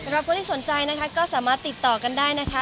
ผู้ที่สนใจนะคะก็สามารถติดต่อกันได้นะคะ